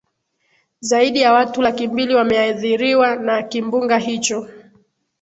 zaidi ya watu laki mbili wameadhiriwa na kimbunga hicho